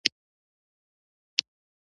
ځانګړي کارتونه یعنې اسناد راکړل شول.